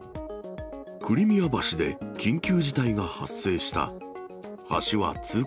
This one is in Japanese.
クリミア橋で緊急事態が発生した。